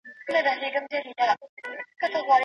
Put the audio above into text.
که رابعه صابره وای نو پاڼې ته به یې بد نه کتل.